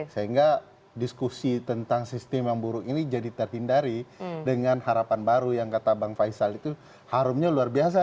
sehingga diskusi tentang sistem yang buruk ini jadi terhindari dengan harapan baru yang kata bang faisal itu harumnya luar biasa